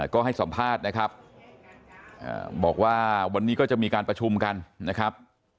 ก็ให้สัมภาษณ์นะครับบอกว่าวันนี้ก็จะมีการประชุมกันนะครับ